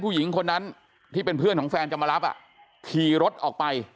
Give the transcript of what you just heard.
ผู้หญิงคนนั้นที่เป็นเพื่อนของแฟนจะมารับขี่รถออกไป